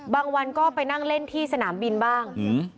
บางวันก็ไปนั่งเล่นที่สนามบินบ้าง